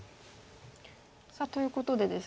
さあということでですね